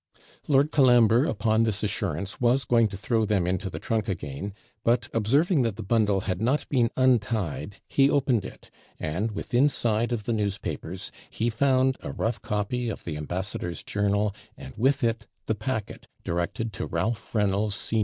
Lord Colambre, upon this assurance, was going to throw them into the trunk again; but observing that the bundle had not been untied, he opened it, and within side of the newspapers he found a rough copy of the ambassador's journal, and with it the packet, directed to Ralph Reynolds sen.